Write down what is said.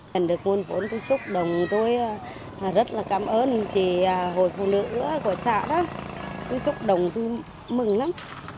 cảnh được nguồn vốn tôi xúc động tôi rất là cảm ơn chị hội phụ nữ của xã đó tôi xúc động tôi mừng lắm